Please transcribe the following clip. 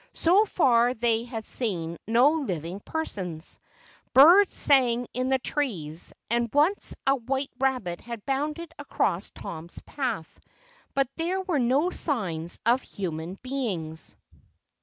So far they had seen no living persons. Birds sang in the trees, and once a white rabbit had bounded across Tom's path, but there were no signs of human beings.